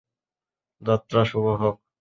যাত্রা শুভ হোক!